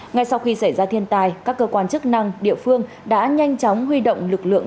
ngay sau khi xảy ra thiên tai các cơ quan chức năng địa phương đã nhanh chóng huy động lực lượng